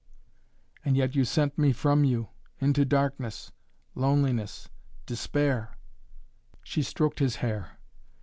"And yet you sent me from you into darkness loneliness despair?" She stroked his hair.